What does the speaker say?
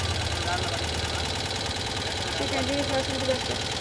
সে ক্যান্টিনে ক্লাস নিতে ব্যস্ত।